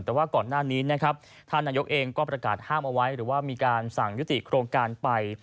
แต่ว่าก่อนหน้านี้นะครับท่านนายกเองก็ประกาศห้ามเอาไว้หรือว่ามีการสั่งยุติโครงการไป